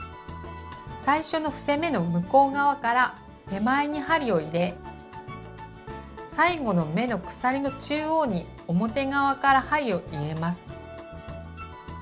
最初の伏せ目の向こう側から手前に針を入れ最後の目の鎖の中央に表側から針を入れます。